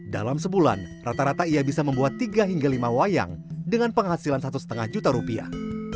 dalam sebulan rata rata ia bisa membuat tiga hingga lima wayang dengan penghasilan satu lima juta rupiah